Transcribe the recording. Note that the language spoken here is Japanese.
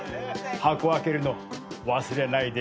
箱開けるの忘れないでよ。